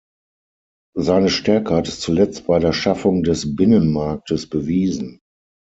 Seine Stärke hat es zuletzt bei der Schaffung des Binnenmarktes bewiesen.